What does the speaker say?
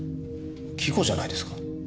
季語じゃないですか？